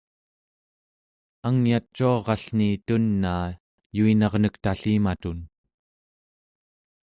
angyacuarallni tunaa yuinarnek tallimatun